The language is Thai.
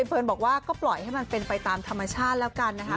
เฟิร์นบอกว่าก็ปล่อยให้มันเป็นไปตามธรรมชาติแล้วกันนะคะ